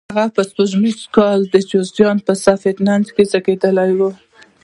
هغه په سپوږمیز کال د جوزجان په سفید نج کې زیږېدلی.